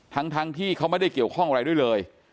ทั้งที่เขาไม่ได้เกี่ยวข้องอะไรด้วยเลย